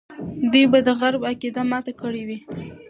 دوی به د غرب عقیده ماته کړې وي.